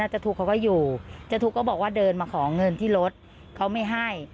เจ้าทุกก็บอกว่าเดินมาขอเงินที่รถเขาไม่ให้